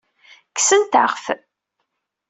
Kksent-aɣ-t.